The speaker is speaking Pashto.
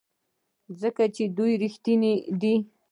ځکه چې دوی ریښتیني دي.